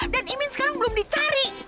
dan imin sekarang belum dicari